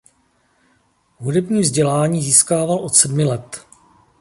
Hudební vzdělání získával od sedmi let.